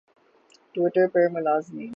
Twitter پر ملازمین